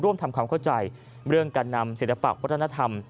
ร่วมทำความเข้าใจเรื่องการนำศิลปะวัฒนธรรม